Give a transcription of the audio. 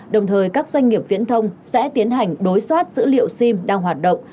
đồng thời các doanh nghiệp viễn thông sẽ tiến hành đối soát dữ liệu sim đang hoạt động